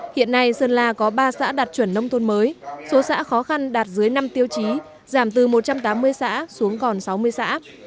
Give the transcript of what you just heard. hiện nay sơn la có ba xã đạt chuẩn nông thôn mới số xã khó khăn đạt dưới năm tiêu chí giảm từ một trăm tám mươi xã xuống còn sáu mươi xã